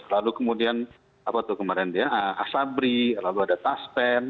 lalu kemudian asabri lalu ada taspen